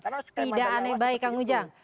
tidak aneh baik kang ujang